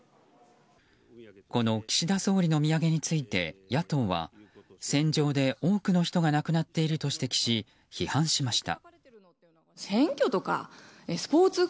この岸田総理の土産について野党は戦場で多くの人が亡くなっていると指摘し批判しました。